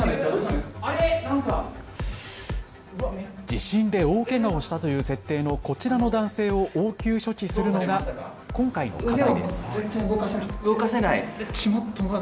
地震で大けがをしたという設定のこちらの男性を応急処置するのが今回の課題です。